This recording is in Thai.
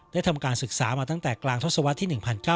ทำการศึกษามาตั้งแต่กลางทศวรรษที่๑๙